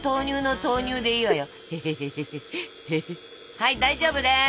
はい大丈夫です。